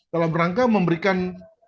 dalam rangka memberikan